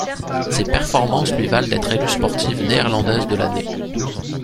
Ces performances lui valent d'être élue sportive néerlandaise de l'année.